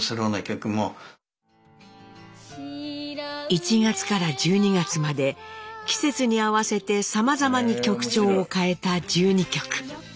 １月から１２月まで季節に合わせてさまざまに曲調を変えた１２曲。